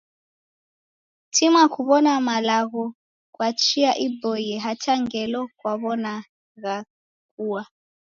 Tima kuw'ona malagho kwa chia iboie hata ngelo kwaw'ona ghakua.